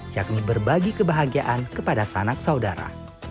yakni berbagi kebahagiaan kepada sanak saudara